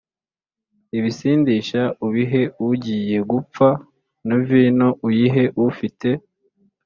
Ibisindisha ubihe ugiye gupfa Na vino uyihe ufite